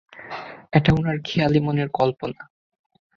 এটা উনার খেয়ালী মনের কল্পনা।